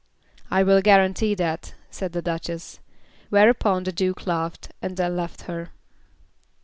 "I will guarantee that," said the Duchess. Whereupon the Duke laughed, and then left her.